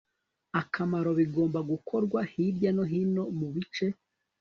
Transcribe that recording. akamaro bigomba gukorwa hirya no hino mu bice